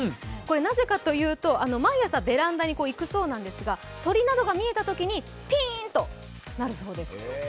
なぜかというと、毎朝、ベランダに行くそうなんですが、鳥などが見えたときにピーンとなるそうです。